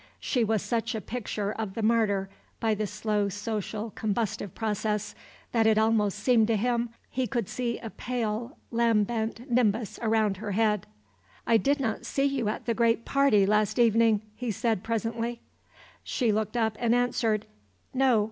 She was such a picture of the martyr by the slow social combustive process, that it almost seemed to him he could see a pale lambent nimbus round her head. "I did not see you at the great party last evening," he said, presently. She looked up and answered, "No.